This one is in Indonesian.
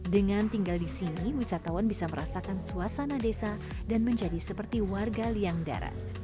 dengan tinggal di sini wisatawan bisa merasakan suasana desa dan menjadi seperti warga liang darat